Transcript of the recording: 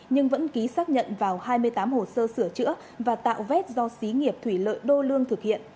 nhưng vẫn ký xác nhận vào hai mươi tám hồ sơ sửa chữa và tạo vết do xí nghiệp thủy lợi đô lương thực thực